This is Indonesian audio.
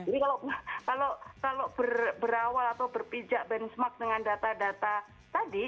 jadi kalau berawal atau berpijak benchmark dengan data data tadi